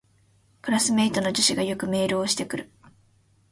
クラスメイトの女子がよくメールをしてくる